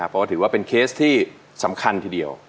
เพราะว่าถือว่าเป็นเคสที่สำคัญทีเดียว